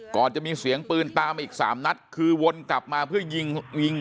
ก่อนจะมีเสียงปืนตามมาอีกสามนัดคือวนกลับมาเพื่อยิงยิง